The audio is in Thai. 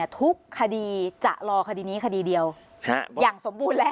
ทุกคดีจะรอคดีนี้คดีเดียวอย่างสมบูรณ์แล้ว